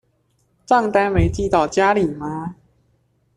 帳單沒寄到家裡嗎？